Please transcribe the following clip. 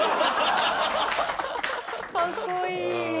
かっこいい。